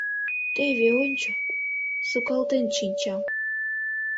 Теве ончо, сукалтен шинчам.